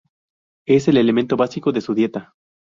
Es el elemento básico de su dieta.